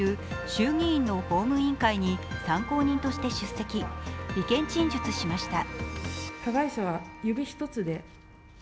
衆議院の法務委員会に参考人として出席、意見陳述しました。